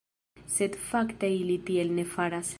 Sed fakte ili tiel ne faras.